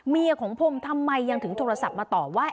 ของผมทำไมยังถึงโทรศัพท์มาตอบว่า